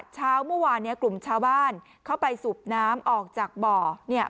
เช้าเมื่อวานเนี่ยกลุ่มชาวบ้านเข้าไปสูบน้ำออกจากบ่อเนี่ย